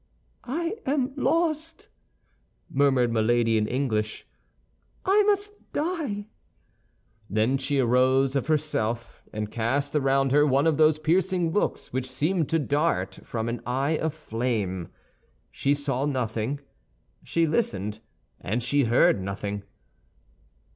"I am lost!" murmured Milady in English. "I must die!" Then she arose of herself, and cast around her one of those piercing looks which seemed to dart from an eye of flame. She saw nothing; she listened, and she heard nothing.